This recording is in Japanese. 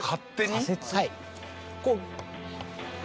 こう。